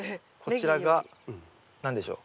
こちらが何でしょう？